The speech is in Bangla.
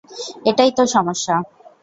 এটাই তো সমস্যা।